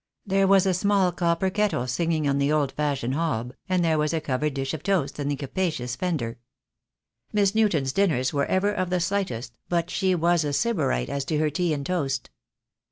There was a small copper kettle singing on the old fashioned hob, and there was a covered dish of toast in the capacious fender. Miss Newton's dinners were ever of the slightest, but she was a sybarite as to her tea and toast.